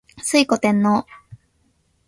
推古天皇